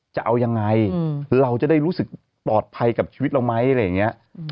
จะเอายังไงเราจะได้รู้สึกปลอดภัยกับชีวิตเราไหมอะไรอย่างนี้